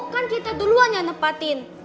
kan kita duluan yang nepatin